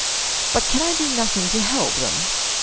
"But can I do nothing to help them?"